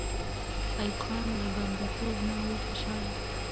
ایوب خان له بندي توبه نه وو خوشحاله.